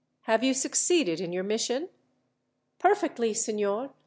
Have you succeeded in your mission?" "Perfectly, signor.